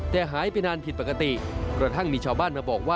แต่หายไปนานผิดปกติกระทั่งมีชาวบ้านมาบอกว่า